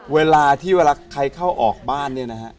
เวลาที่เวลาใครเข้าออกบ้านเนี่ยนะฮะ